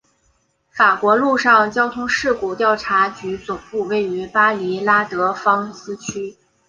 法国陆上交通事故调查局总部位于巴黎拉德芳斯区。